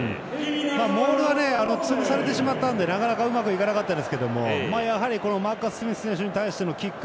モールは潰されてしまったのでなかなかうまくいかなかったですけどマーカス・スミス選手に対してのキック。